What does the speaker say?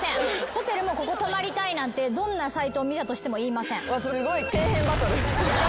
ホテルもここ泊まりたいなんてどんなサイトを見たとしても言いません。